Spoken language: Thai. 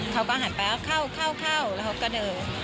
เขาก็หันไปเข้าแล้วก็เดิน